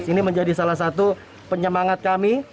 ini menjadi salah satu penyemangat kami